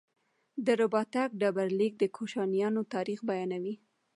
د رباتک ډبرلیک د کوشانیانو تاریخ بیانوي